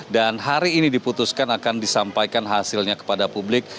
dan hari ini diputuskan akan disampaikan hasilnya kepada publik